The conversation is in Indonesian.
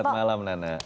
selamat malam nana